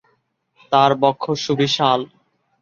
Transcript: তার বক্ষ সুবিশাল।